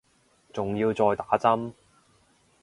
仲要再打針